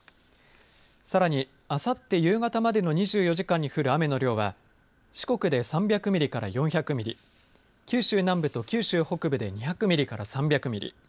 さらにあさって夕方までの２４時間に降る雨の量は四国で３００ミリから４００ミリ九州南部と九州北部で２００ミリから３００ミリ